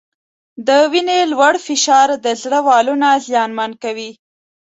د وینې لوړ فشار د زړه والونه زیانمن کوي.